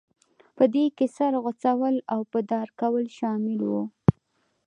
په دې کې د سر غوڅول او په دار کول شامل وو.